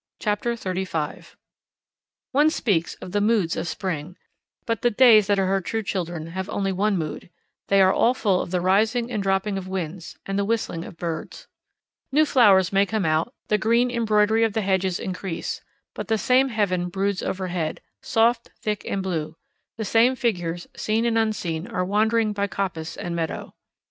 Chapter 35 One speaks of the moods of spring, but the days that are her true children have only one mood; they are all full of the rising and dropping of winds, and the whistling of birds. New flowers may come out, the green embroidery of the hedges increase, but the same heaven broods overhead, soft, thick, and blue, the same figures, seen and unseen, are wandering by coppice and meadow.